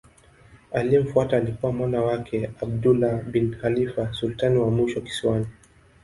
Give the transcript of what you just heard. Aliyemfuata alikuwa mwana wake Abdullah bin Khalifa sultani wa mwisho kisiwani.